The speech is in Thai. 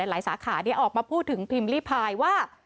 หลายสาขาออกมาพูดถึงพิมพ์ลีพายว่า